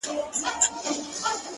• چا له وهمه ورته سپوڼ نه سو وهلای,